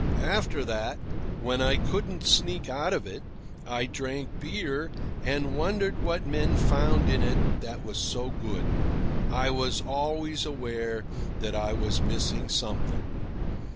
After that, when I couldn't sneak out of it, I drank beer and wondered what men found in it that was so good. I was always aware that I was missing something.